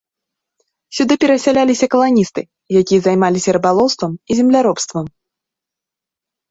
Сюды перасяляліся каланісты, якія займаліся рыбалоўствам і земляробствам.